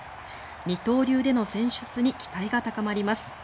二刀流での選出に期待が高まります。